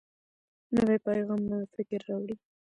نوی پیغام نوی فکر راوړي